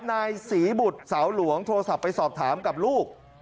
นายศรีบุตรสาวหลวงโทรศัพท์ไปสอบถามกับลูก